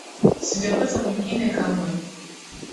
Sijapata mwingine kamwe.